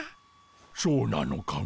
そうなのかモ？